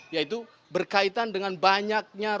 yaitu berkaitan dengan banyaknya